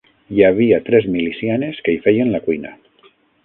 Hi havia tres milicianes que hi feien la cuina.